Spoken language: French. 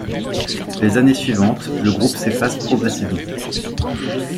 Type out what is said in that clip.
Les années suivantes, le groupe s'efface progressivement.